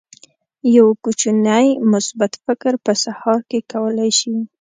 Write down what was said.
یو کوچنی مثبت فکر په سهار کې کولی شي.